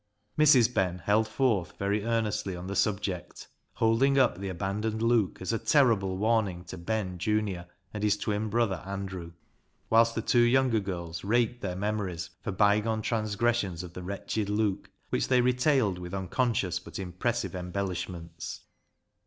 Mrs. Ben held forth very earnestly on the subject, holding up the abandoned Luke as a terrible warning to Ben, junior, and his twin brother Andrew; whilst the two younger girls raked their memories for bygone transgressions of the wretched Luke, which they retailed with unconscious but impressive embellishments.